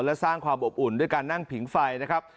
และสร้างความอบอุ่นด้วยการนั่งผิงไฟนะครับ